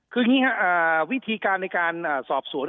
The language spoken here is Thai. คืออย่างนี้ครับวิธีการในการสอบสวน